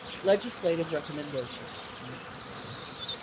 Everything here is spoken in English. LEGISLATIVE RECOMMENDATIONS 1.